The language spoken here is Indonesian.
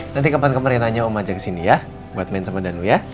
nanti kemarin kemarin renanya om ajak kesini ya buat main sama danu ya